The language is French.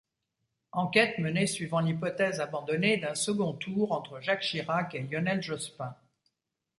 Enquêtes menées suivant l'hypothèse abandonnée d'un second tour entre Jacques Chirac et Lionel Jospin.